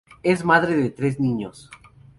Es madre de tres niños.